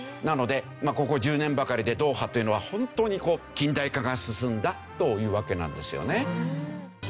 なのでここ１０年ばかりでドーハというのはホントにこう近代化が進んだというわけなんですよね。